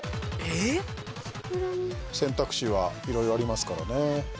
選択肢はいろいろありますからね。